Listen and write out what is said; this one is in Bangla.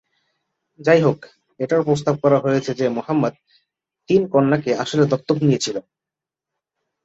যাইহোক, এটাও প্রস্তাব করা হয়েছে যে মুহাম্মাদ তিন কন্যাকে আসলে দত্তক নিয়েছিল।